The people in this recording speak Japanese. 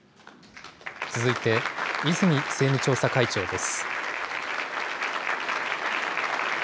続いて、泉政務調査会長です。